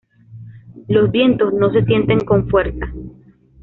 Los vientos no se sienten con fuerza.